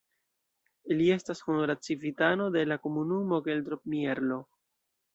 Li estas honora civitano de la komunumo Geldrop-Mierlo.